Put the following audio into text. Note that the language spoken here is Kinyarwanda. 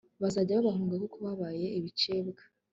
bazajya babahunga, kuko babaye ibicibwa